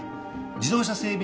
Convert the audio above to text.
自動車整備